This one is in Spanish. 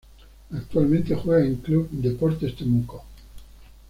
Actualmente juega en Club Deportes Temuco